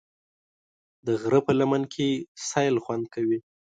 د غره په لمن کې سیل خوند کوي.